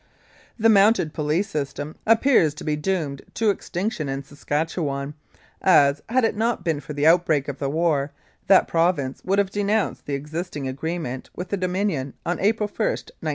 The Mounted Police system appears to be doomed to extinction in Saskatchewan, as, had it not been for the outbreak of the war, that province would have denounced the existing agreement with the Dominion on April i, 1915.